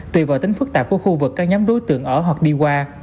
tùy vào tính phức tạp của khu vực các nhóm đối tượng ở hoặc đi qua